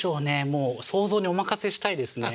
もう想像にお任せしたいですね